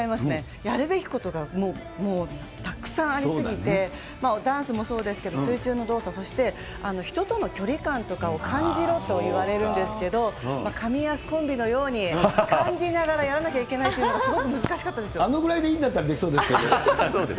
やるべきことが、もうたくさんあり過ぎて、ダンスもそうですけど、水中の動作、そして人との距離感とかを感じろと言われるんですけれども、カミヤスコンビのように、感じながらやらなきゃいけないとあのぐらいでいいんだったら、そうですね。